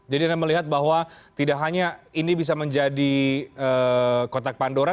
jadi anda melihat bahwa tidak hanya ini bisa menjadi kotak pandora